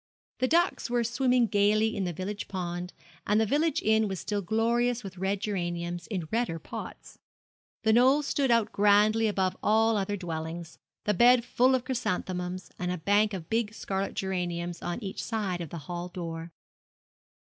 The ducks were swimming gaily in the village pond, and the village inn was still glorious with red geraniums, in redder pots. The Knoll stood out grandly above all other dwellings the beds full of chrysanthemums, and a bank of big scarlet geraniums on each side of the hall door.